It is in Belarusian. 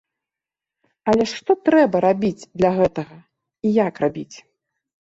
Але што трэба рабіць для гэтага, і як рабіць?